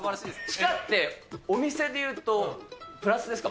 地下ってお店でいうと、プラスですか？